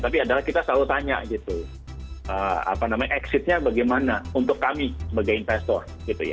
tapi adalah kita selalu tanya exitnya bagaimana untuk kami sebagai investor